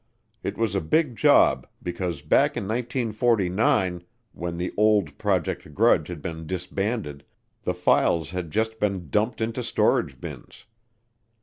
It was a big job because back in 1949, when the old Project Grudge had been disbanded, the files had just been dumped into storage bins.